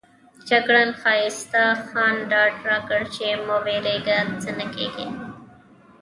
جګړن ښایسته خان ډاډ راکړ چې مه وېرېږئ څه نه کېږي.